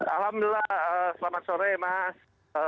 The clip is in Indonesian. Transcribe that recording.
alhamdulillah selamat sore mas